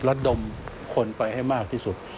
ระดมคนไปให้มากที่สุด